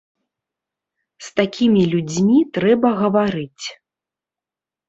З такімі людзьмі трэба гаварыць.